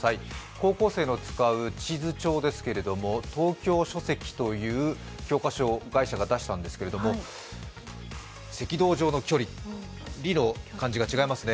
高校生の使う地図帳ですけれども、東京書籍という教科書会社が出したんですけれども、「赤道上の距理」、「り」の漢字が違いますね。